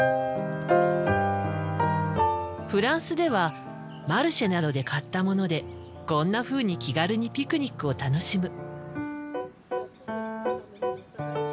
フランスではマルシェなどで買ったものでこんなふうに気軽にピクニックを楽しむ。